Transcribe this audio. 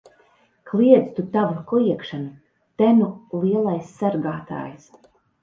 Kliedz tu tavu kliegšanu! Te nu lielais sargātājs!